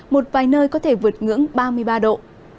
một vài nơi có thể vượt ngưỡng ba mươi ba độ